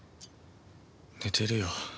寝てるよ。